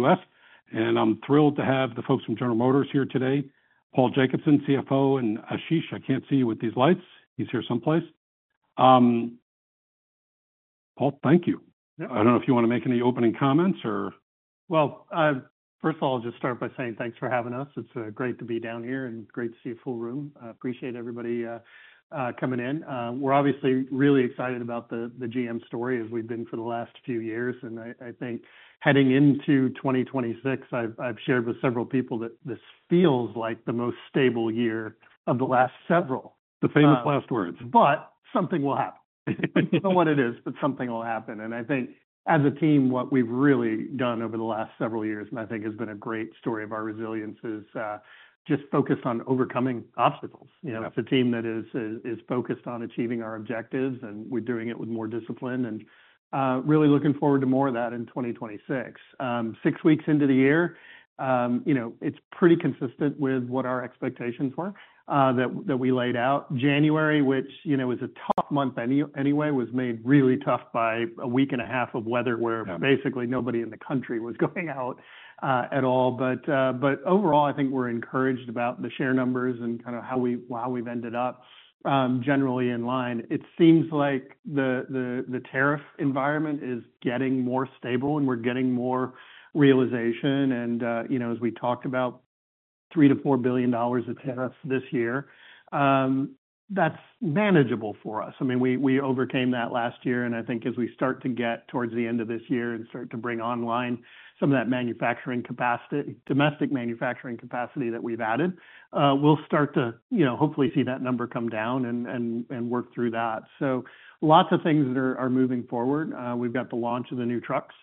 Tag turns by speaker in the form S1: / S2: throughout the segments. S1: U.S., and I'm thrilled to have the folks from General Motors here today, Paul Jacobson, CFO, and Ashish. I can't see you with these lights. He's here someplace. Paul, thank you.
S2: Yeah.
S1: I don't know if you want to make any opening comments or?
S2: Well, first of all, I'll just start by saying thanks for having us. It's great to be down here and great to see a full room. I appreciate everybody coming in. We're obviously really excited about the GM story, as we've been for the last few years, and I think heading into 2026, I've shared with several people that this feels like the most stable year of the last several.
S1: The famous last words.
S2: But something will happen. I don't know what it is, but something will happen. And I think as a team, what we've really done over the last several years, and I think has been a great story of our resilience, is just focus on overcoming obstacles.
S1: Yeah.
S2: You know, it's a team that is focused on achieving our objectives, and we're doing it with more discipline and really looking forward to more of that in 2026. Six weeks into the year, you know, it's pretty consistent with what our expectations were, that we laid out. January, which, you know, is a tough month anyway, was made really tough by a week and a half of weather where-
S1: Yeah...
S2: basically nobody in the country was going out, at all. But overall, I think we're encouraged about the share numbers and kind of how we, how we've ended up, generally in line. It seems like the tariff environment is getting more stable, and we're getting more realization. And, you know, as we talked about $3 billion-$4 billion of tariffs this year, that's manageable for us. I mean, we, we overcame that last year, and I think as we start to get towards the end of this year and start to bring online some of that manufacturing capacity, domestic manufacturing capacity that we've added, we'll start to, you know, hopefully, see that number come down and work through that. So lots of things that are moving forward. We've got the launch of the new trucks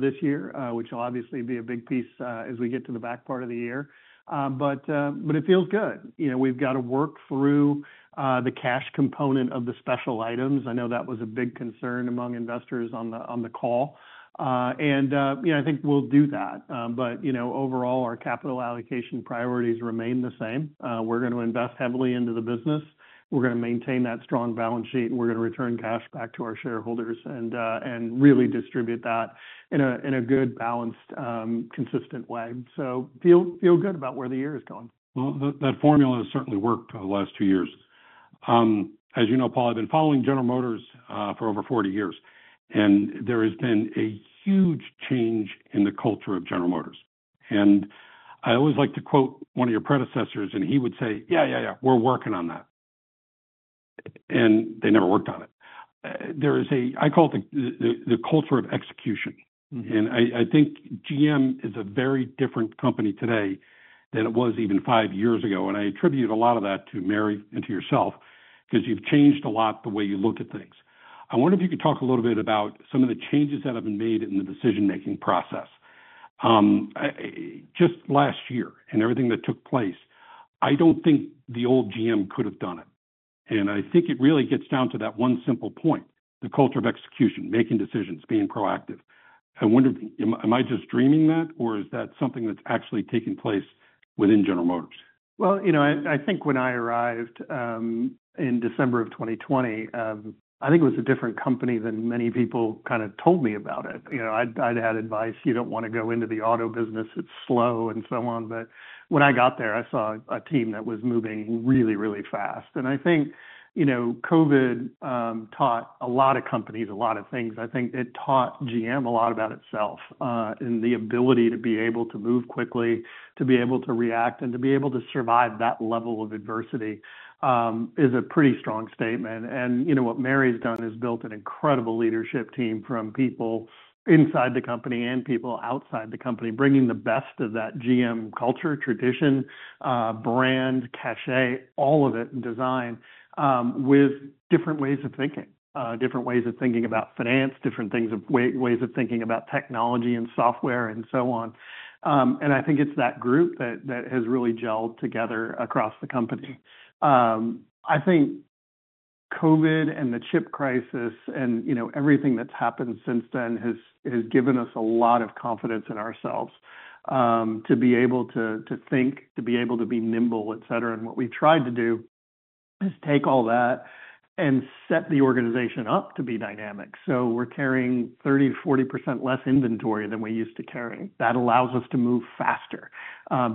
S2: this year, which will obviously be a big piece as we get to the back part of the year. But it feels good. You know, we've got to work through the cash component of the special items. I know that was a big concern among investors on the call. And you know, I think we'll do that. But you know, overall, our capital allocation priorities remain the same. We're going to invest heavily into the business. We're going to maintain that strong balance sheet, and we're going to return cash back to our shareholders and really distribute that in a good, balanced, consistent way. So feel good about where the year is going.
S1: Well, that, that formula has certainly worked the last two years. As you know, Paul, I've been following General Motors for over 40 years, and there has been a huge change in the culture of General Motors. I always like to quote one of your predecessors, and he would say: "Yeah, yeah, yeah, we're working on that." And they never worked on it. There is a—I call it the culture of execution.
S2: Mm-hmm.
S1: And I think GM is a very different company today than it was even 5 years ago, and I attribute a lot of that to Mary and to yourself, because you've changed a lot the way you look at things. I wonder if you could talk a little bit about some of the changes that have been made in the decision-making process. Just last year and everything that took place, I don't think the old GM could have done it, and I think it really gets down to that 1 simple point, the culture of execution, making decisions, being proactive. I wonder, am I just dreaming that, or is that something that's actually taking place within General Motors?
S2: Well, you know, I, I think when I arrived in December of 2020, I think it was a different company than many people kind of told me about it. You know, I'd, I'd had advice, "You don't want to go into the auto business, it's slow," and so on. But when I got there, I saw a team that was moving really, really fast. And I think, you know, COVID taught a lot of companies a lot of things. I think it taught GM a lot about itself, and the ability to be able to move quickly, to be able to react, and to be able to survive that level of adversity is a pretty strong statement. You know, what Mary's done is built an incredible leadership team from people inside the company and people outside the company, bringing the best of that GM culture, tradition, brand, cachet, all of it, and design, with different ways of thinking. Different ways of thinking about finance, different things, ways of thinking about technology and software, and so on. And I think it's that group that has really gelled together across the company. I think COVID and the chip crisis and, you know, everything that's happened since then has given us a lot of confidence in ourselves, to be able to think, to be able to be nimble, et cetera. And what we've tried to do is take all that and set the organization up to be dynamic. We're carrying 30%-40% less inventory than we used to carry. That allows us to move faster,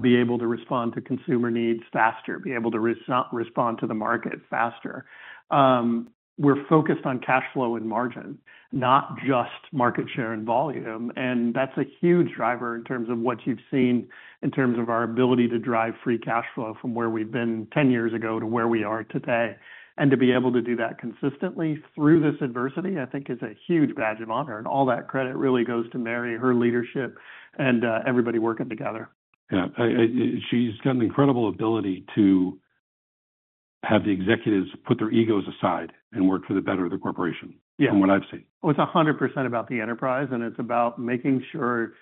S2: be able to respond to consumer needs faster, be able to respond to the market faster. We're focused on cash flow and margin, not just market share and volume, and that's a huge driver in terms of what you've seen, in terms of our ability to drive free cash flow from where we've been 10 years ago to where we are today. To be able to do that consistently through this adversity, I think, is a huge badge of honor. All that credit really goes to Mary, her leadership, and everybody working together.
S1: Yeah, she's got an incredible ability to have the executives put their egos aside and work for the better of the corporation-
S2: Yeah...
S1: from what I've seen.
S2: Well, it's 100% about the enterprise, and it's about making sure, you know,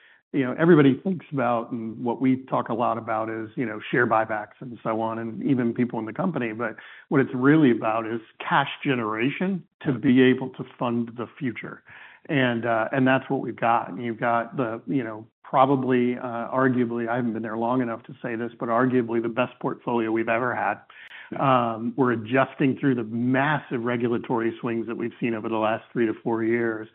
S2: everybody thinks about, and what we talk a lot about is, you know, share buybacks and so on, and even people in the company. But what it's really about is cash generation to be able to fund the future. And, and that's what we've got. You've got the, you know, probably, arguably, I haven't been there long enough to say this, but arguably the best portfolio we've ever had. We're adjusting through the massive regulatory swings that we've seen over the last 3-4 years.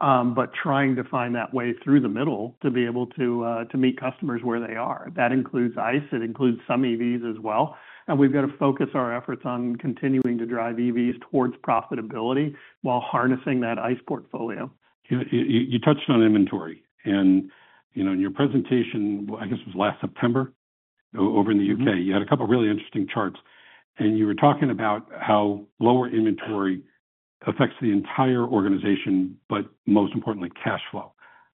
S2: But trying to find that way through the middle to be able to, to meet customers where they are. That includes ICE, it includes some EVs as well, and we've got to focus our efforts on continuing to drive EVs towards profitability while harnessing that ICE portfolio.
S1: You touched on inventory, and, you know, in your presentation, I guess it was last September, over in the U.K.-
S2: Mm-hmm.
S1: You had a couple really interesting charts, and you were talking about how lower inventory affects the entire organization, but most importantly, cash flow.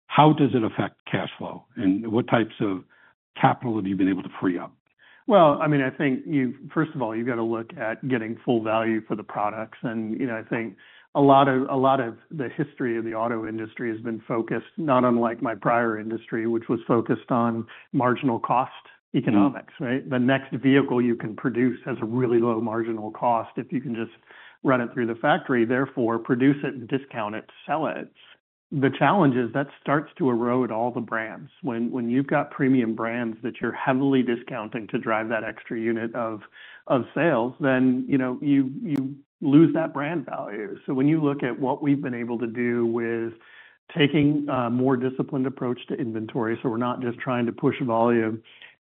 S1: How does it affect cash flow, and what types of capital have you been able to free up?
S2: Well, I mean, I think you've, first of all, you've got to look at getting full value for the products. You know, I think a lot of, a lot of the history of the auto industry has been focused, not unlike my prior industry, which was focused on marginal cost economics, right?
S1: Mm.
S2: The next vehicle you can produce has a really low marginal cost if you can just run it through the factory, therefore produce it and discount it, sell it. The challenge is that starts to erode all the brands. When you've got premium brands that you're heavily discounting to drive that extra unit of sales, then, you know, you lose that brand value. So when you look at what we've been able to do with taking a more disciplined approach to inventory, so we're not just trying to push volume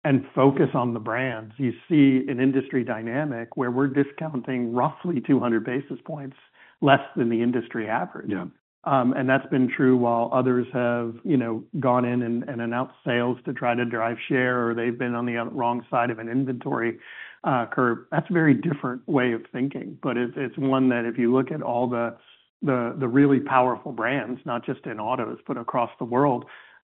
S2: and focus on the brands, you see an industry dynamic where we're discounting roughly 200 basis points less than the industry average.
S1: Yeah.
S2: That's been true while others have, you know, gone in and announced sales to try to drive share, or they've been on the wrong side of an inventory curve. That's a very different way of thinking, but it's one that if you look at all the really powerful brands, not just in autos, but across the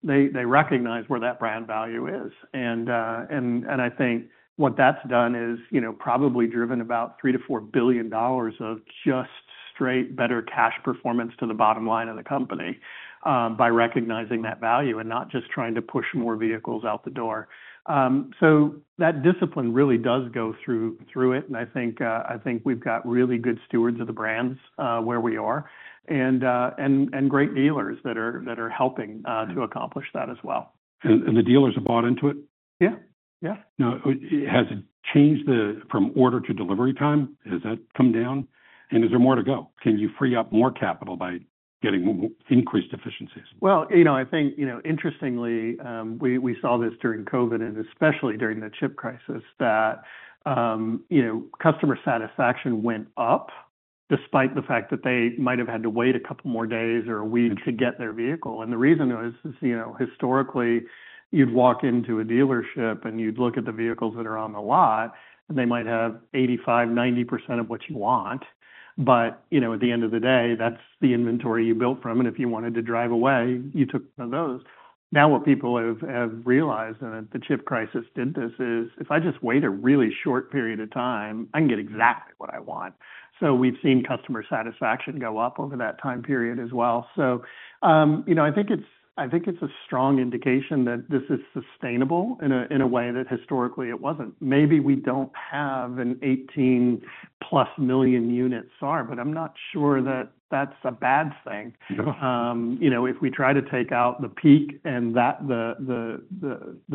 S2: world, they recognize where that brand value is. I think what that's done is, you know, probably driven about $3 billion-$4 billion of just straight better cash performance to the bottom line of the company, by recognizing that value and not just trying to push more vehicles out the door. So that discipline really does go through, through it, and I think, I think we've got really good stewards of the brands, where we are, and, and, and great dealers that are, that are helping to accomplish that as well.
S1: the dealers have bought into it?
S2: Yeah, yeah.
S1: Now, has it changed the from order to delivery time? Has that come down, and is there more to go? Can you free up more capital by getting more increased efficiencies?
S2: Well, you know, I think, you know, interestingly, we saw this during COVID, and especially during the chip crisis, that, you know, customer satisfaction went up despite the fact that they might have had to wait a couple more days or a week-
S1: Mm...
S2: to get their vehicle. And the reason is, you know, historically you'd walk into a dealership, and you'd look at the vehicles that are on the lot, and they might have 85%-90% of what you want, but, you know, at the end of the day, that's the inventory you built from, and if you wanted to drive away, you took one of those. Now, what people have realized, and the chip crisis did this, is if I just wait a really short period of time, I can get exactly what I want. So we've seen customer satisfaction go up over that time period as well. So, you know, I think it's a strong indication that this is sustainable in a way that historically it wasn't. Maybe we don't have an 18+ million unit SAAR, but I'm not sure that that's a bad thing.
S1: Sure.
S2: You know, if we try to take out the peak and that, the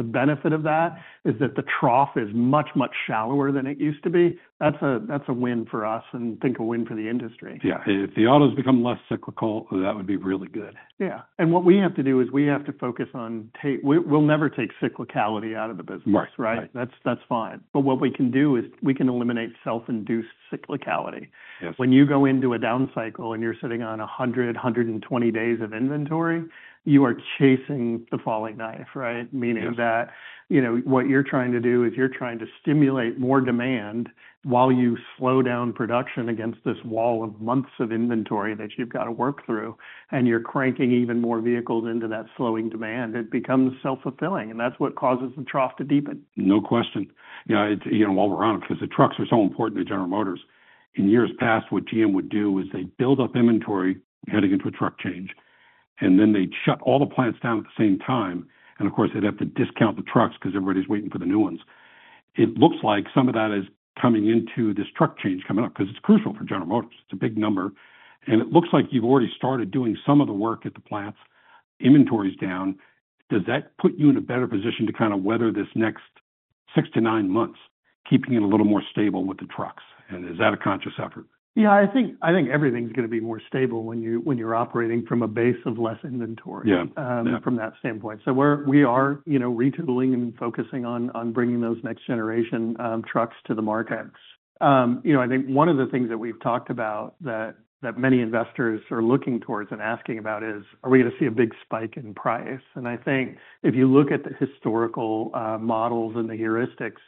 S2: benefit of that is that the trough is much, much shallower than it used to be. That's a win for us and I think a win for the industry.
S1: Yeah. If the autos become less cyclical, that would be really good.
S2: Yeah. And what we have to do is we have to focus on, we'll never take cyclicality out of the business, right?
S1: Right, right.
S2: That's fine. But what we can do is we can eliminate self-induced cyclicality.
S1: Yes.
S2: When you go into a down cycle, and you're sitting on 100, 120 days of inventory, you are chasing the falling knife, right?
S1: Yes.
S2: Meaning that, you know, what you're trying to do is you're trying to stimulate more demand while you slow down production against this wall of months of inventory that you've got to work through, and you're cranking even more vehicles into that slowing demand. It becomes self-fulfilling, and that's what causes the trough to deepen.
S1: No question. Yeah, it, you know, while we're on, because the trucks are so important to General Motors, in years past, what GM would do is they'd build up inventory heading into a truck change, and then they'd shut all the plants down at the same time. And of course, they'd have to discount the trucks because everybody's waiting for the new ones. It looks like some of that is coming into this truck change coming up, because it's crucial for General Motors. It's a big number, and it looks like you've already started doing some of the work at the plants. Inventory's down. Does that put you in a better position to kind of weather this next 6-9 months, keeping it a little more stable with the trucks? And is that a conscious effort?
S2: Yeah, I think, I think everything's going to be more stable when you're, when you're operating from a base of less inventory-
S1: Yeah, yeah...
S2: from that standpoint. So we are, you know, retooling and focusing on bringing those next generation trucks to the market. You know, I think one of the things that we've talked about that many investors are looking towards and asking about is: Are we going to see a big spike in price? And I think if you look at the historical models and the heuristics,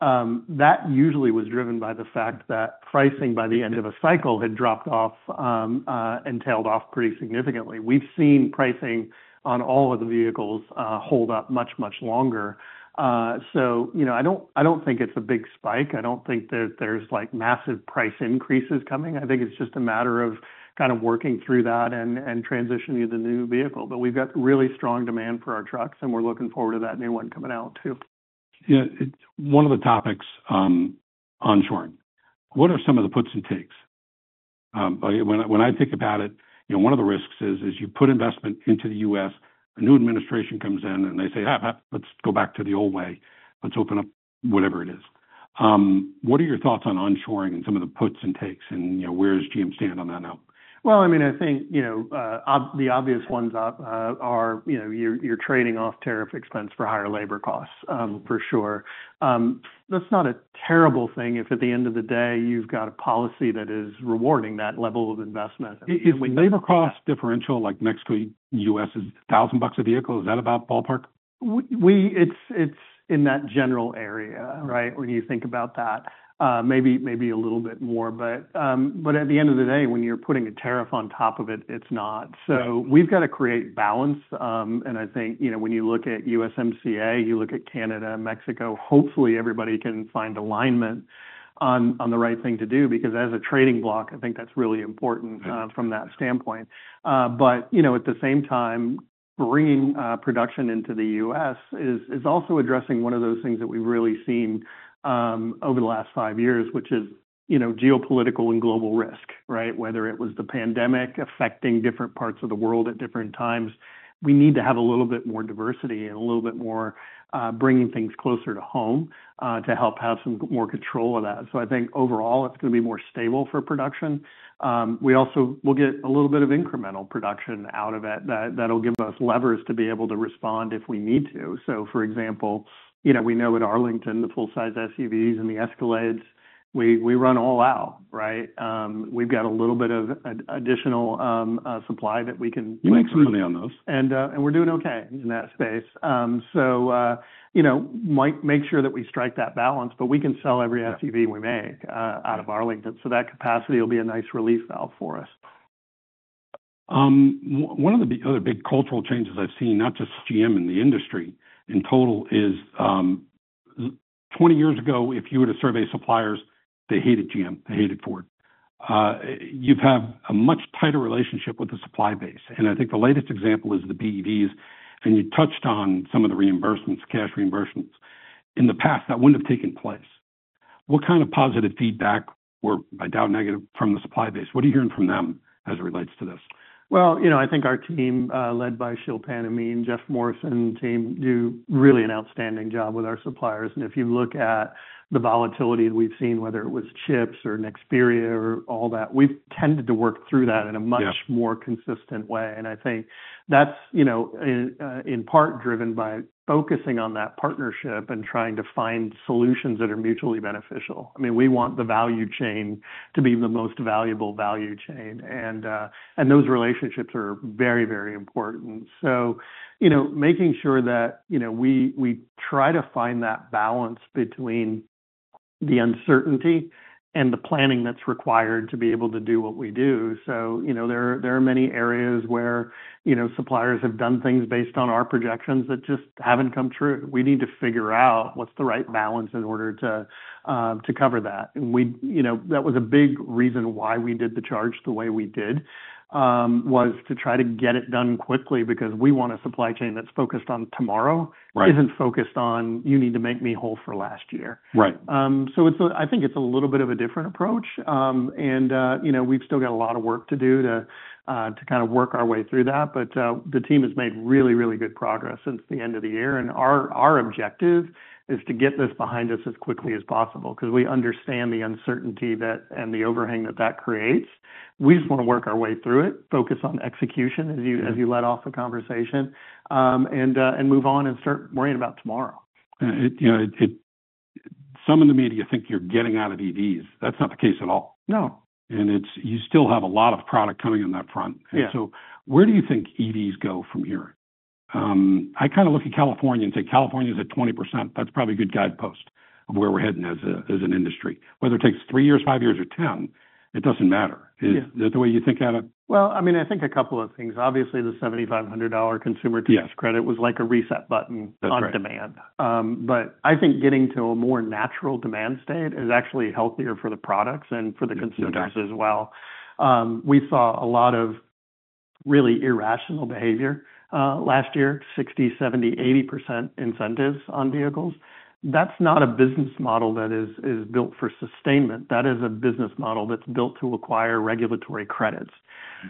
S2: that usually was driven by the fact that pricing by the end of a cycle had dropped off and tailed off pretty significantly. We've seen pricing on all of the vehicles hold up much, much longer. So you know, I don't, I don't think it's a big spike. I don't think that there's, like, massive price increases coming. I think it's just a matter of kind of working through that and, and transitioning to the new vehicle. But we've got really strong demand for our trucks, and we're looking forward to that new one coming out, too.
S1: Yeah, it's one of the topics, onshoring. What are some of the puts and takes? When I think about it, you know, one of the risks is you put investment into the U.S., a new administration comes in, and they say, "Ah, let's go back to the old way. Let's open up," whatever it is. What are your thoughts on onshoring and some of the puts and takes, and, you know, where does GM stand on that now?
S2: Well, I mean, I think, you know, the obvious ones are, you know, you're trading off tariff expense for higher labor costs, for sure. That's not a terrible thing if at the end of the day, you've got a policy that is rewarding that level of investment.
S1: Is labor cost differential, like Mexico, U.S. is $1,000 a vehicle, is that about ballpark?
S2: It's in that general area, right, when you think about that. Maybe a little bit more. But at the end of the day, when you're putting a tariff on top of it, it's not. So we've got to create balance, and I think, you know, when you look at USMCA, you look at Canada and Mexico, hopefully, everybody can find alignment on the right thing to do, because as a trading block, I think that's really important from that standpoint. But you know, at the same time, bringing production into the U.S. is also addressing one of those things that we've really seen over the last five years, which is, you know, geopolitical and global risk, right? Whether it was the pandemic affecting different parts of the world at different times, we need to have a little bit more diversity and a little bit more, bringing things closer to home, to help have some more control of that. So I think overall, it's going to be more stable for production. We also... We'll get a little bit of incremental production out of it that, that'll give us levers to be able to respond if we need to. So, for example, you know, we know at Arlington, the full-size SUVs and the Escalades, we, we run all out, right? We've got a little bit of additional supply that we can-
S1: You make some money on those.
S2: And we're doing okay in that space. So, you know, make sure that we strike that balance, but we can sell every SUV we make out of Arlington, so that capacity will be a nice relief valve for us.
S1: One of the other big cultural changes I've seen, not just GM in the industry, in total, is, 20 years ago, if you were to survey suppliers, they hated GM, they hated Ford. You've had a much tighter relationship with the supply base, and I think the latest example is the BEVs, and you touched on some of the reimbursements, cash reimbursements. In the past, that wouldn't have taken place. What kind of positive feedback or I doubt negative from the supply base? What are you hearing from them as it relates to this?
S2: Well, you know, I think our team, led by Shilpan Amin and Jeff Morrison team, do really an outstanding job with our suppliers. And if you look at the volatility we've seen, whether it was chips or Nexperia or all that, we've tended to work through that in a much-
S1: Yeah...
S2: more consistent way. And I think that's, you know, in part driven by focusing on that partnership and trying to find solutions that are mutually beneficial. I mean, we want the value chain to be the most valuable value chain, and those relationships are very, very important. So, you know, making sure that, you know, we try to find that balance between the uncertainty and the planning that's required to be able to do what we do. So, you know, there are many areas where, you know, suppliers have done things based on our projections that just haven't come true. We need to figure out what's the right balance in order to cover that. We, you know, that was a big reason why we did the charge the way we did, was to try to get it done quickly, because we want a supply chain that's focused on tomorrow-
S1: Right...
S2: isn't focused on, "You need to make me whole for last year.
S1: Right.
S2: So, I think it's a little bit of a different approach, and you know, we've still got a lot of work to do to kind of work our way through that. But the team has made really, really good progress since the end of the year. And our objective is to get this behind us as quickly as possible, because we understand the uncertainty that, and the overhang that that creates. We just want to work our way through it, focus on execution, as you led off the conversation, and move on and start worrying about tomorrow.
S1: You know, some in the media think you're getting out of EVs. That's not the case at all.
S2: No.
S1: It's, you still have a lot of product coming in that front.
S2: Yeah.
S1: So where do you think EVs go from here? I kind of look at California and say California's at 20%. That's probably a good guidepost of where we're heading as a, as an industry. Whether it takes 3 years, 5 years, or 10, it doesn't matter.
S2: Yeah.
S1: Is that the way you think about it?
S2: Well, I mean, I think a couple of things. Obviously, the $7,500 consumer tax credit-
S1: Yes...
S2: was like a reset button-
S1: That's right...
S2: on demand. But I think getting to a more natural demand state is actually healthier for the products and for the consumers as well.
S1: Mm-hmm.
S2: We saw a lot of really irrational behavior last year, 60, 70, 80% incentives on vehicles. That's not a business model that is built for sustainment. That is a business model that's built to acquire regulatory credits.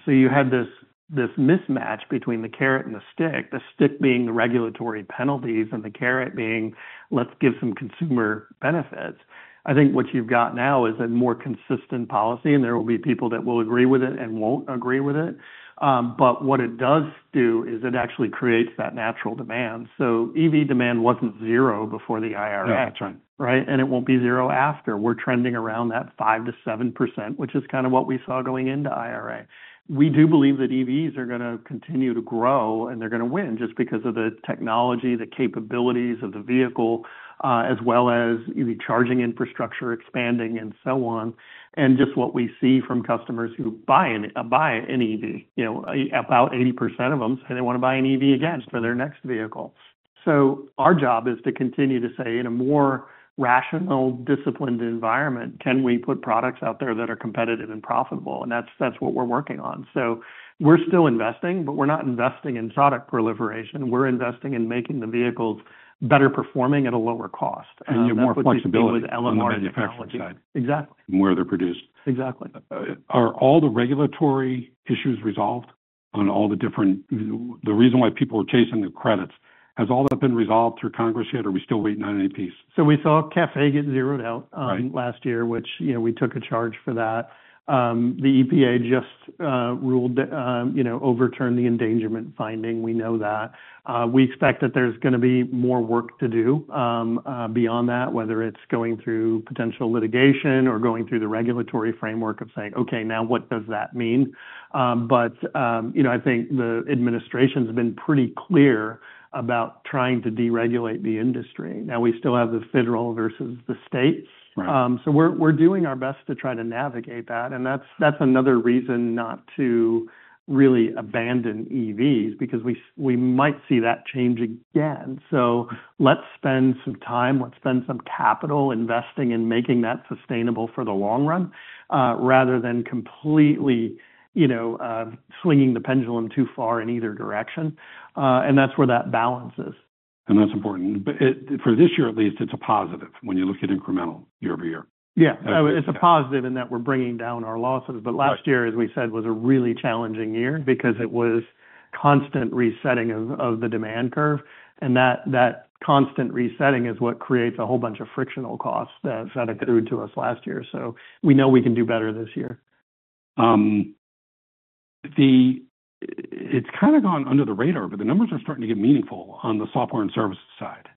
S2: So you had this mismatch between the carrot and the stick, the stick being the regulatory penalties and the carrot being, let's give some consumer benefits. I think what you've got now is a more consistent policy, and there will be people that will agree with it and won't agree with it. But what it does do is it actually creates that natural demand. So EV demand wasn't zero before the IRA.
S1: No, that's right.
S2: Right? And it won't be zero after. We're trending around that 5%-7%, which is kind of what we saw going into IRA. We do believe that EVs are gonna continue to grow, and they're gonna win just because of the technology, the capabilities of the vehicle, as well as the charging infrastructure expanding and so on, and just what we see from customers who buy an, buy an EV. You know, about 80% of them say they want to buy an EV again for their next vehicle. So our job is to continue to say, in a more rational, disciplined environment, can we put products out there that are competitive and profitable? And that's, that's what we're working on. So we're still investing, but we're not investing in product proliferation. We're investing in making the vehicles better performing at a lower cost-
S1: You're more focused-
S2: Which we do with LFP technology.
S1: On the manufacturing side.
S2: Exactly.
S1: Where they're produced.
S2: Exactly.
S1: Are all the regulatory issues resolved on all the different, you know, the reason why people are chasing the credits? Has all that been resolved through Congress yet, or are we still waiting on any piece?
S2: We saw CAFE get zeroed out.
S1: Right
S2: Last year, which, you know, we took a charge for that. The EPA just ruled, you know, overturned the Endangerment Finding, we know that. We expect that there's gonna be more work to do beyond that, whether it's going through potential litigation or going through the regulatory framework of saying, "Okay, now what does that mean?" But, you know, I think the administration's been pretty clear about trying to deregulate the industry. Now, we still have the federal versus the states.
S1: Right.
S2: So we're doing our best to try to navigate that, and that's another reason not to really abandon EVs, because we might see that change again. So let's spend some time, let's spend some capital investing in making that sustainable for the long run, rather than completely, you know, swinging the pendulum too far in either direction. And that's where that balance is.
S1: That's important. But it, for this year at least, it's a positive when you look at incremental year-over-year.
S2: Yeah.
S1: Yeah.
S2: It's a positive in that we're bringing down our losses.
S1: Right.
S2: But last year, as we said, was a really challenging year because it was constant resetting of the demand curve, and that constant resetting is what creates a whole bunch of frictional costs that accrued to us last year. So we know we can do better this year.
S1: It's kind of gone under the radar, but the numbers are starting to get meaningful on the software and services side,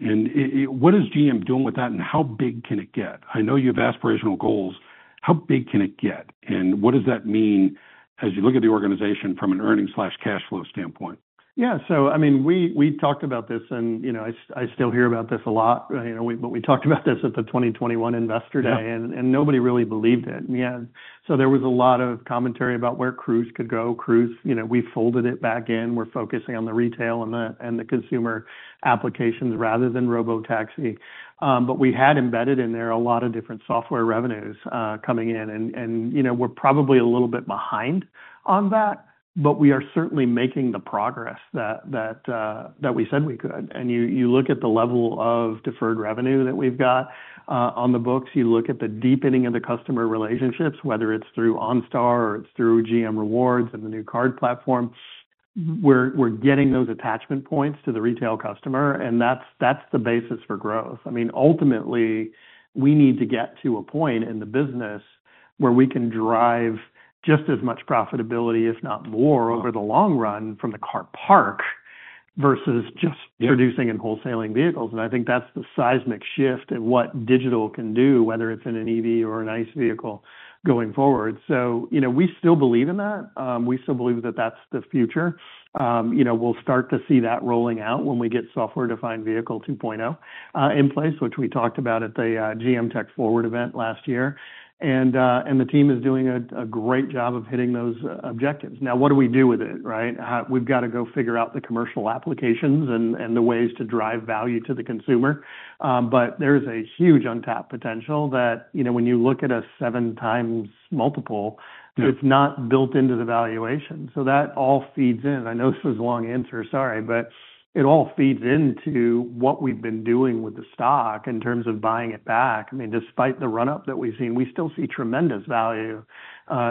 S1: and what is GM doing with that, and how big can it get? I know you have aspirational goals. How big can it get, and what does that mean as you look at the organization from an earnings/cash flow standpoint?
S2: Yeah. So I mean, we talked about this, and, you know, I still hear about this a lot, you know, but we talked about this at the 2021 Investor Day-
S1: Yeah...
S2: and nobody really believed it. Yeah, so there was a lot of commentary about where Cruise could go. Cruise, you know, we folded it back in. We're focusing on the retail and the consumer applications rather than robotaxi. But we had embedded in there a lot of different software revenues coming in and, you know, we're probably a little bit behind on that, but we are certainly making the progress that we said we could. And you look at the level of deferred revenue that we've got on the books, you look at the deepening of the customer relationships, whether it's through OnStar or it's through GM Rewards and the new card platform, we're getting those attachment points to the retail customer, and that's the basis for growth. I mean, ultimately, we need to get to a point in the business where we can drive just as much profitability, if not more, over the long run from the car park, versus just-
S1: Yeah
S2: -producing and wholesaling vehicles. I think that's the seismic shift in what digital can do, whether it's in an EV or an ICE vehicle going forward. You know, we still believe in that. We still believe that that's the future. You know, we'll start to see that rolling out when we get Software-Defined Vehicle 2.0 in place, which we talked about at the GM Tech Forward event last year. And the team is doing a great job of hitting those objectives. Now, what do we do with it, right? We've got to go figure out the commercial applications and the ways to drive value to the consumer. But there is a huge untapped potential that, you know, when you look at a 7x multiple-
S1: Yeah...
S2: it's not built into the valuation. So that all feeds in. I know this is a long answer, sorry, but it all feeds into what we've been doing with the stock in terms of buying it back. I mean, despite the run-up that we've seen, we still see tremendous value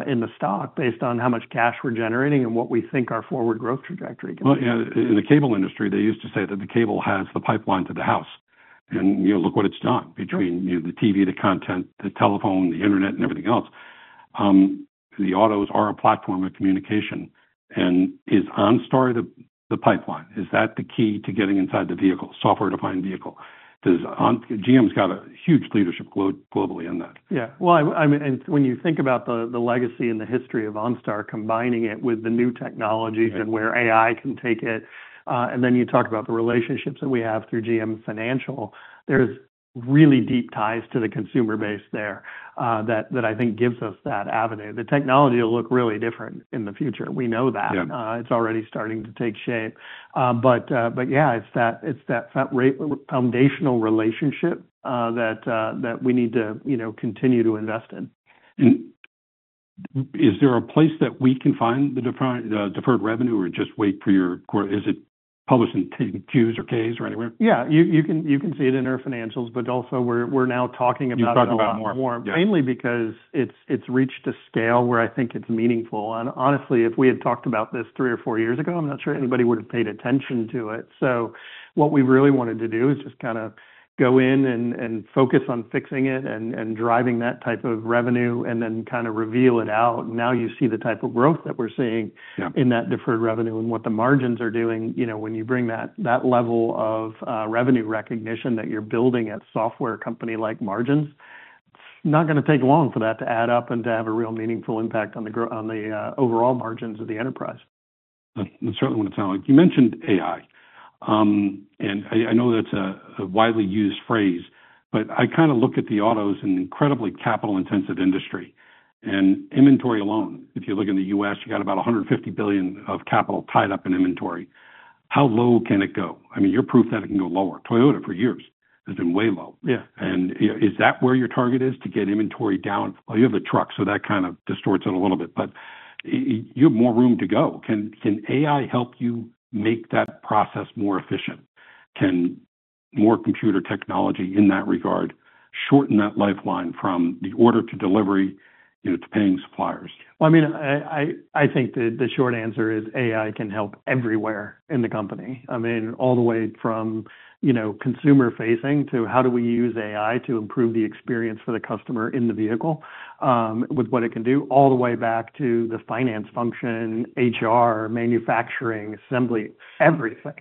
S2: in the stock based on how much cash we're generating and what we think our forward growth trajectory can be.
S1: Well, yeah, in the cable industry, they used to say that the cable has the pipeline to the house, and, you know, look what it's done-
S2: Sure...
S1: between the TV, the content, the telephone, the internet, and everything else. The autos are a platform of communication, and is OnStar the pipeline? Is that the key to getting inside the vehicle, software-defined vehicle? Does OnStar, GM's got a huge leadership globally in that.
S2: Yeah. Well, I mean, and when you think about the legacy and the history of OnStar, combining it with the new technologies-
S1: Yeah...
S2: and where AI can take it, and then you talk about the relationships that we have through GM Financial. There's really deep ties to the consumer base there, that, that I think gives us that avenue. The technology will look really different in the future. We know that.
S1: Yeah.
S2: It's already starting to take shape. But yeah, it's that foundational relationship that we need to, you know, continue to invest in.
S1: Is there a place that we can find the deferred revenue, or just wait for your Q? Is it published in Qs or Ks or anywhere?
S2: Yeah, you can see it in our financials, but also we're now talking about it-
S1: You talk about it more....
S2: more.
S1: Yeah.
S2: Mainly because it's reached a scale where I think it's meaningful. Honestly, if we had talked about this three or four years ago, I'm not sure anybody would've paid attention to it. What we really wanted to do is just kind of go in and focus on fixing it and driving that type of revenue and then kind of reveal it out. Now you see the type of growth that we're seeing-
S1: Yeah...
S2: in that deferred revenue and what the margins are doing. You know, when you bring that, that level of revenue recognition that you're building at software company-like margins, it's not gonna take long for that to add up and to have a real meaningful impact on the overall margins of the enterprise.
S1: That's certainly what it sounds like. You mentioned AI. And I know that's a widely used phrase, but I kind of look at the auto's an incredibly capital-intensive industry, and inventory alone, if you look in the U.S., you got about $150 billion of capital tied up in inventory. How low can it go? I mean, you're proof that it can go lower. Toyota, for years, has been way low.
S2: Yeah.
S1: You know, is that where your target is, to get inventory down? Well, you have a truck, so that kind of distorts it a little bit, but you have more room to go. Can AI help you make that process more efficient? Can more computer technology in that regard shorten that lifeline from the order to delivery to paying suppliers?
S2: Well, I mean, I think the short answer is AI can help everywhere in the company. I mean, all the way from, you know, consumer-facing to how do we use AI to improve the experience for the customer in the vehicle with what it can do, all the way back to the finance function, HR, manufacturing, assembly, everything.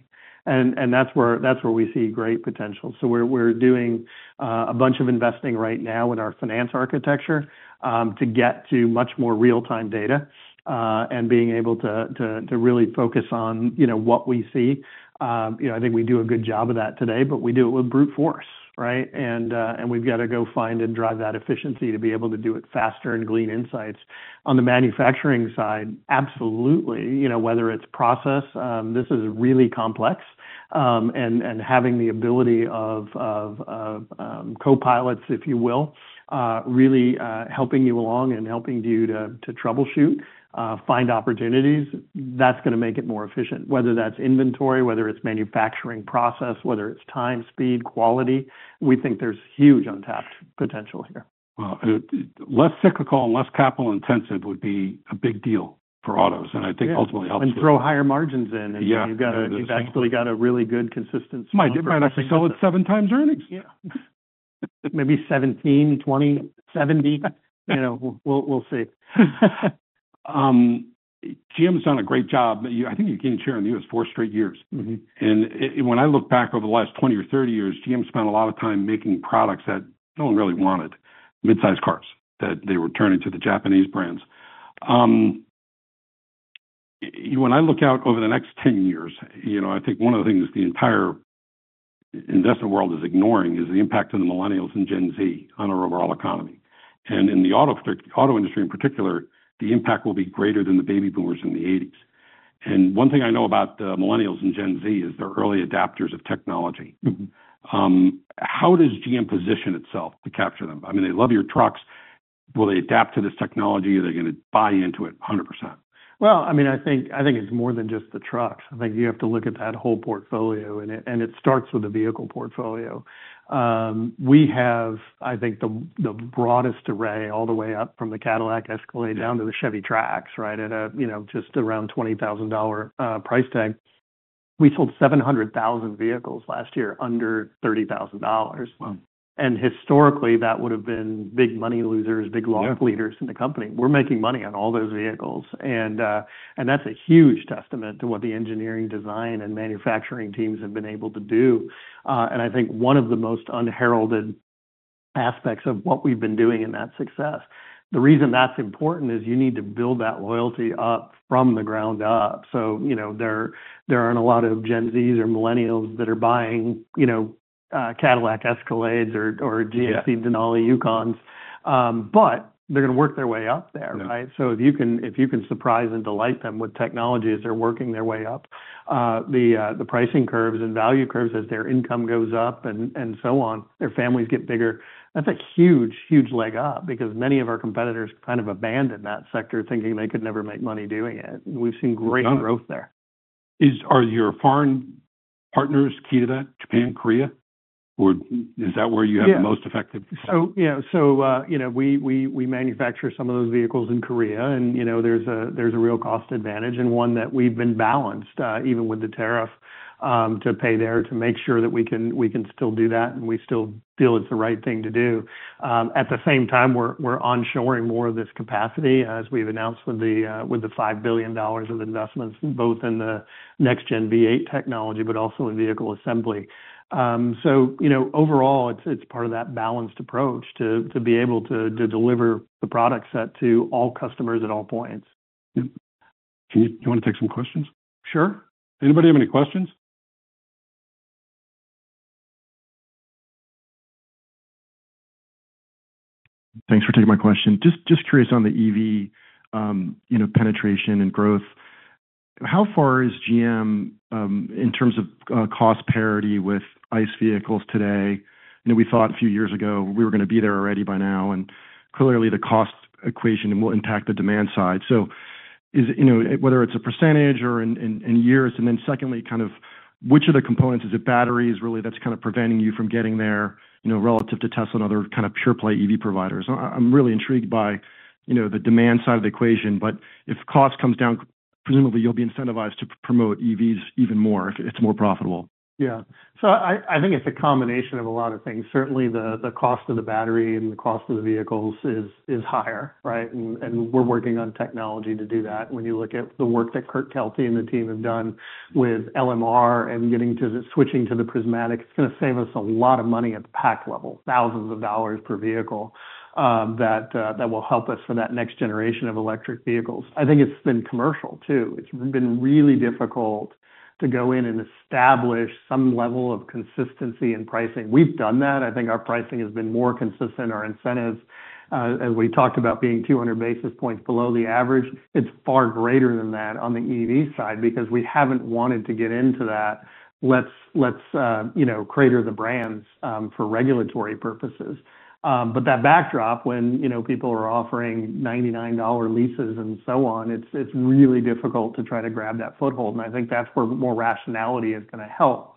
S2: And that's where we see great potential. So we're doing a bunch of investing right now in our finance architecture to get to much more real-time data and being able to really focus on, you know, what we see. You know, I think we do a good job of that today, but we do it with brute force, right? And we've got to go find and drive that efficiency to be able to do it faster and glean insights. On the manufacturing side, absolutely, you know, whether it's process, this is really complex, and having the ability of copilots, if you will, really helping you along and helping you to troubleshoot, find opportunities, that's gonna make it more efficient. Whether that's inventory, whether it's manufacturing process, whether it's time, speed, quality, we think there's huge untapped potential here.
S1: Well, less cyclical and less capital intensive would be a big deal for autos, and I think ultimately helps-
S2: And throw higher margins in-
S1: Yeah.
S2: You've actually got a really good consistent-
S1: You might actually sell it seven times earnings.
S2: Yeah. Maybe 17, 20, 70. You know, we'll see.
S1: GM's done a great job. I think you gained share in the U.S. four straight years.
S2: Mm-hmm.
S1: When I look back over the last 20 or 30 years, GM spent a lot of time making products that no one really wanted, mid-sized cars, that they were turning to the Japanese brands. When I look out over the next 10 years, you know, I think one of the things the entire investment world is ignoring is the impact of the millennials and Gen Z on our overall economy. In the auto industry in particular, the impact will be greater than the baby boomers in the 1980s. One thing I know about the millennials and Gen Z is they're early adopters of technology.
S2: Mm-hmm.
S1: How does GM position itself to capture them? I mean, they love your trucks. Will they adapt to this technology? Are they gonna buy into it 100%?
S2: Well, I mean, I think, I think it's more than just the trucks. I think you have to look at that whole portfolio, and it, and it starts with the vehicle portfolio. We have, I think, the, the broadest array, all the way up from the Cadillac Escalade down to the Chevy Trax, right, at a, you know, just around $20,000 price tag. We sold 700,000 vehicles last year, under $30,000.
S1: Wow.
S2: Historically, that would have been big money losers, big loss leaders in the company. We're making money on all those vehicles, and that's a huge testament to what the engineering, design and manufacturing teams have been able to do. And I think one of the most unheralded aspects of what we've been doing in that success. The reason that's important is you need to build that loyalty up from the ground up. So you know, there aren't a lot of Gen Zs or millennials that are buying, you know, Cadillac Escalades or GMC Denali Yukons, but they're gonna work their way up there, right?
S1: Yeah.
S2: If you can surprise and delight them with technology as they're working their way up, the pricing curves and value curves as their income goes up and so on, their families get bigger, that's a huge, huge leg up. Because many of our competitors kind of abandoned that sector, thinking they could never make money doing it. We've seen great growth there.
S1: Are your foreign partners key to that, Japan, Korea, or is that where you have the most effective?
S2: So, yeah. So, you know, we manufacture some of those vehicles in Korea and, you know, there's a real cost advantage and one that we've been balanced, even with the tariff, to pay there, to make sure that we can still do that, and we still feel it's the right thing to do. At the same time, we're onshoring more of this capacity, as we've announced with the $5 billion of investments, both in the next Gen V8 technology, but also in vehicle assembly. So you know, overall, it's part of that balanced approach to be able to deliver the product set to all customers at all points.
S1: Yep. Do you want to take some questions?
S2: Sure.
S1: Anybody have any questions?
S3: Thanks for taking my question. Just curious on the EV, you know, penetration and growth. How far is GM in terms of cost parity with ICE vehicles today? I know we thought a few years ago we were gonna be there already by now, and clearly, the cost equation will impact the demand side. So you know, whether it's a percentage or in years. And then secondly, kind of which of the components is it, batteries, really that's kind of preventing you from getting there, you know, relative to Tesla and other kind of pure-play EV providers? I'm really intrigued by, you know, the demand side of the equation, but if cost comes down, presumably you'll be incentivized to promote EVs even more if it's more profitable.
S2: Yeah. So I think it's a combination of a lot of things. Certainly, the cost of the battery and the cost of the vehicles is higher, right? And we're working on technology to do that. When you look at the work that Kurt Kelty and the team have done with LMR and getting to the switching to the prismatic, it's gonna save us a lot of money at the pack level, $1,000s per vehicle, that will help us for that next generation of electric vehicles. I think it's been commercial, too. It's been really difficult to go in and establish some level of consistency in pricing. We've done that. I think our pricing has been more consistent. Our incentives, as we talked about, being 200 basis points below the average, it's far greater than that on the EV side because we haven't wanted to get into that, let's, let's, you know, crater the brands, for regulatory purposes. But that backdrop, when, you know, people are offering $99 leases and so on, it's, it's really difficult to try to grab that foothold, and I think that's where more rationality is gonna help....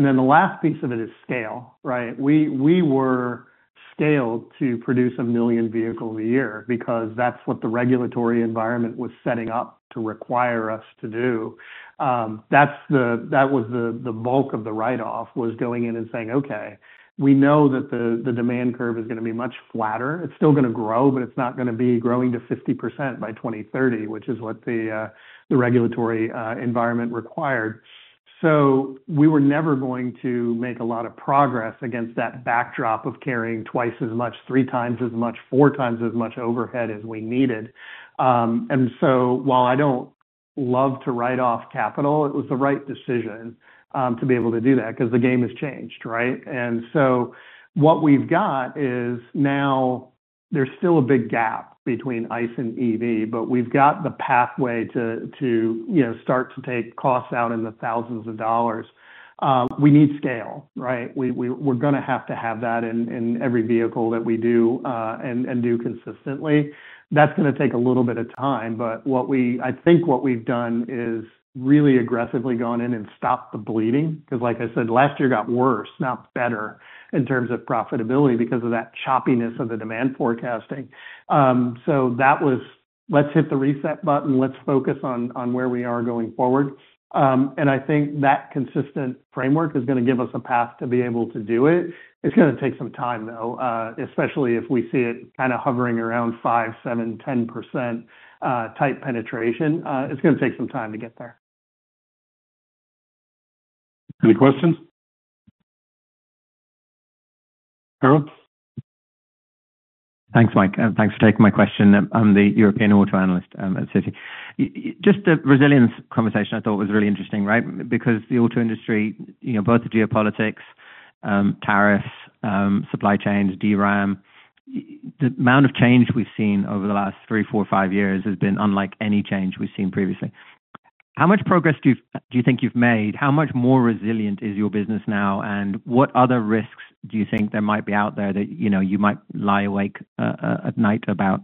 S2: Then the last piece of it is scale, right? We, we were scaled to produce 1 million vehicles a year because that's what the regulatory environment was setting up to require us to do. That's the, that was the, the bulk of the write-off, was going in and saying: Okay, we know that the, the demand curve is going to be much flatter. It's still going to grow, but it's not going to be growing to 50% by 2030, which is what the regulatory environment required. So we were never going to make a lot of progress against that backdrop of carrying twice as much, three times as much, four times as much overhead as we needed. And so, while I don't love to write off capital, it was the right decision to be able to do that because the game has changed, right? And so what we've got is now there's still a big gap between ICE and EV, but we've got the pathway to you know start to take costs out in the thousands of dollars. We need scale, right? We're going to have to have that in every vehicle that we do and do consistently. That's going to take a little bit of time, but what we, I think, what we've done is really aggressively gone in and stopped the bleeding, because like I said, last year got worse, not better, in terms of profitability because of that choppiness of the demand forecasting. So that was, "Let's hit the reset button. Let's focus on where we are going forward." And I think that consistent framework is going to give us a path to be able to do it. It's going to take some time, though, especially if we see it kind of hovering around 5, 7, 10% type penetration. It's going to take some time to get there.
S1: Any questions? Harald?
S4: Thanks, Mike, and thanks for taking my question. I'm the European auto analyst at Citi. Just the resilience conversation I thought was really interesting, right? Because the auto industry, you know, both the geopolitics, tariffs, supply chains, DRAM, the amount of change we've seen over the last three, four, five years has been unlike any change we've seen previously. How much progress do you think you've made? How much more resilient is your business now, and what other risks do you think there might be out there that, you know, you might lie awake at night about,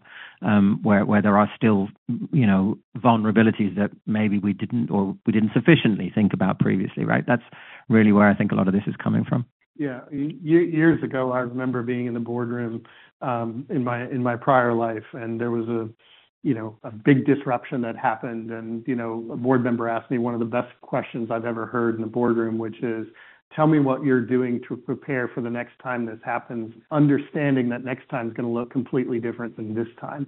S4: where there are still, you know, vulnerabilities that maybe we didn't or we didn't sufficiently think about previously, right? That's really where I think a lot of this is coming from.
S2: Yeah. Years ago, I remember being in the boardroom, in my, in my prior life, and there was a, you know, a big disruption that happened and, you know, a board member asked me one of the best questions I've ever heard in the boardroom, which is: Tell me what you're doing to prepare for the next time this happens, understanding that next time is going to look completely different than this time.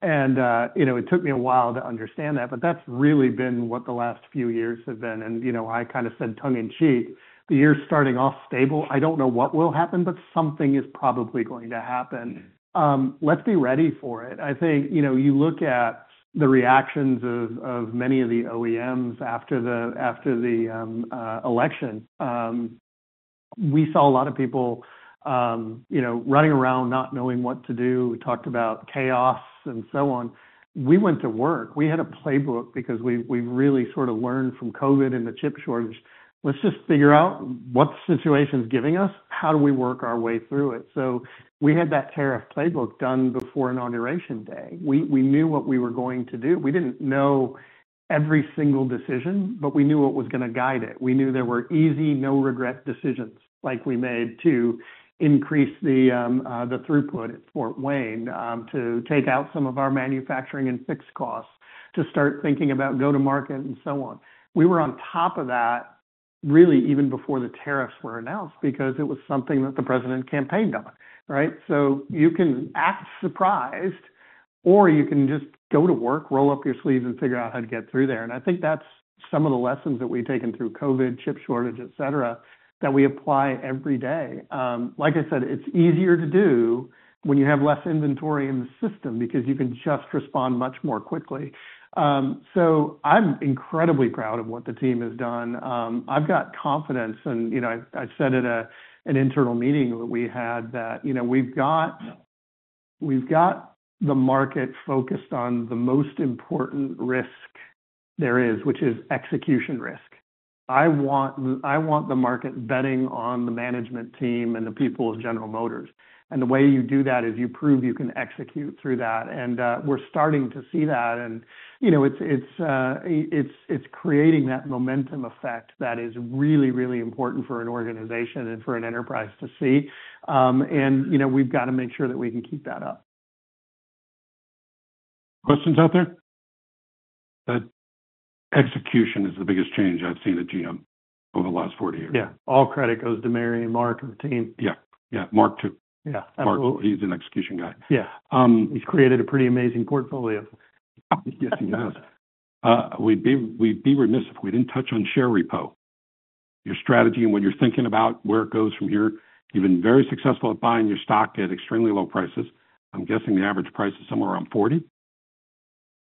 S2: And, you know, it took me a while to understand that, but that's really been what the last few years have been. And, you know, I kind of said, tongue in cheek: The year's starting off stable. I don't know what will happen, but something is probably going to happen. Let's be ready for it. I think, you know, you look at the reactions of many of the OEMs after the election. We saw a lot of people, you know, running around not knowing what to do, talked about chaos and so on. We went to work. We had a playbook because we really sort of learned from COVID and the chip shortage. Let's just figure out what the situation is giving us, how do we work our way through it? So we had that tariff playbook done before Inauguration Day. We knew what we were going to do. We didn't know every single decision, but we knew what was going to guide it. We knew there were easy, no-regret decisions, like we made to increase the throughput at Fort Wayne to take out some of our manufacturing and fixed costs, to start thinking about go-to-market and so on. We were on top of that, really, even before the tariffs were announced, because it was something that the president campaigned on, right? So you can act surprised, or you can just go to work, roll up your sleeves, and figure out how to get through there. And I think that's some of the lessons that we've taken through COVID, chip shortage, et cetera, that we apply every day. Like I said, it's easier to do when you have less inventory in the system because you can just respond much more quickly. So I'm incredibly proud of what the team has done. I've got confidence, and, you know, I said at an internal meeting that we had that, you know, we've got the market focused on the most important risk there is, which is execution risk. I want the market betting on the management team and the people of General Motors, and the way you do that is you prove you can execute through that, and we're starting to see that. You know, it's creating that momentum effect that is really, really important for an organization and for an enterprise to see. You know, we've got to make sure that we can keep that up.
S1: Questions out there? The execution is the biggest change I've seen at GM over the last 40 years.
S2: Yeah. All credit goes to Mary and Mark and the team.
S1: Yeah. Yeah, Mark, too.
S2: Yeah, absolutely.
S1: Mark, he's an execution guy.
S2: Yeah.
S1: Um-
S2: He's created a pretty amazing portfolio.
S1: Yes, he has. We'd be remiss if we didn't touch on share repo, your strategy and what you're thinking about, where it goes from here. You've been very successful at buying your stock at extremely low prices. I'm guessing the average price is somewhere around $40?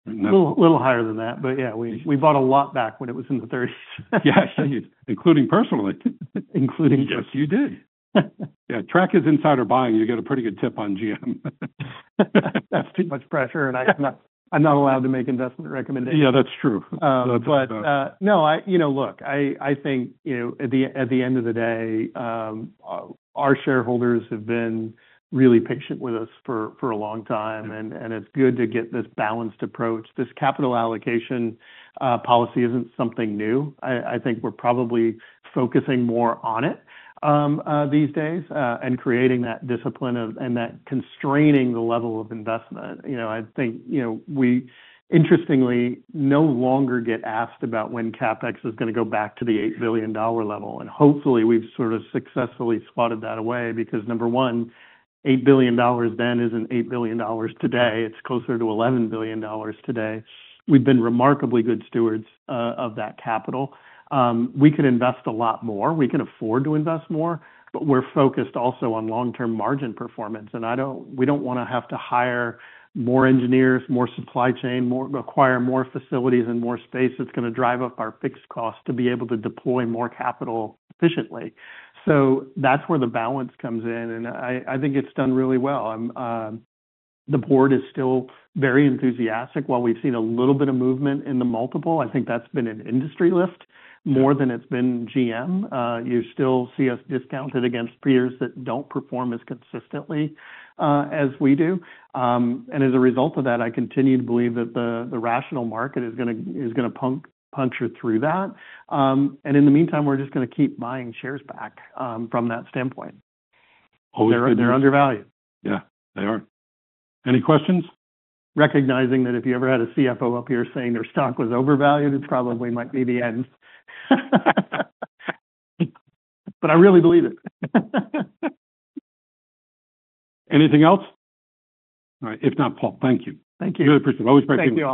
S2: A little, little higher than that, but yeah, we, we bought a lot back when it was in the thirties.
S1: Yeah, including personally.
S2: Including-
S1: Yes, you did. Yeah, track his insider buying, you'll get a pretty good tip on GM.
S2: That's too much pressure, and I'm not, I'm not allowed to make investment recommendations.
S1: Yeah, that's true.
S2: No, you know, look, I think, you know, at the end of the day, our shareholders have been really patient with us for a long time, and it's good to get this balanced approach. This capital allocation policy isn't something new. I think we're probably focusing more on it these days, and creating that discipline of, and that constraining the level of investment. You know, I think, you know, we interestingly no longer get asked about when CapEx is going to go back to the $8 billion level, and hopefully, we've sort of successfully swatted that away. Because number one, $8 billion then isn't $8 billion today. It's closer to $11 billion today. We've been remarkably good stewards of that capital. We could invest a lot more. We can afford to invest more, but we're focused also on long-term margin performance, and I don't, we don't want to have to hire more engineers, more supply chain, more, acquire more facilities and more space that's going to drive up our fixed costs to be able to deploy more capital efficiently. So that's where the balance comes in, and I think it's done really well. The board is still very enthusiastic. While we've seen a little bit of movement in the multiple, I think that's been an industry lift more than it's been GM. You still see us discounted against peers that don't perform as consistently, as we do. And as a result of that, I continue to believe that the rational market is gonna puncture through that. In the meantime, we're just gonna keep buying shares back from that standpoint.
S1: Always-
S2: They're undervalued.
S1: Yeah, they are. Any questions?
S2: Recognizing that if you ever had a CFO up here saying their stock was overvalued, it probably might be the end. But I really believe it.
S1: Anything else? All right. If not, Paul, thank you.
S2: Thank you.
S1: Really appreciate it. Always appreciate-
S2: Thank you, all.